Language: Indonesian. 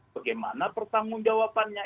bagaimana persanggung jawabannya